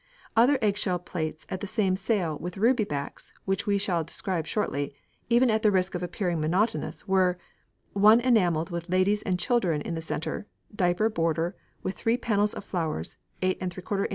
Other eggshell plates at the same sale with ruby backs, which we will describe shortly, even at the risk of appearing monotonous, were: one enamelled with ladies and children in the centre, diaper border, with three panels of flowers, 8┬Š in.